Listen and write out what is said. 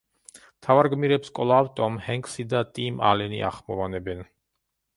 მთავარ გმირებს კვლავ ტომ ჰენქსი და ტიმ ალენი ახმოვანებენ.